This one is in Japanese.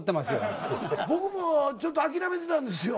僕もちょっと諦めてたんですよ。